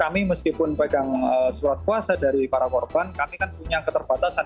kami meskipun pegang surat kuasa dari para korban kami kan punya keterbatasan